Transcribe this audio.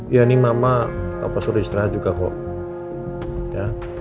ya ini mama pas udah istirahat juga kok